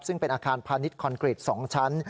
ซึ่งเป็นอาคารพาณิชย์คอนกรีต๒ชั้น